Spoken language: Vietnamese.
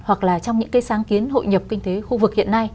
hoặc là trong những cái sáng kiến hội nhập kinh tế khu vực hiện nay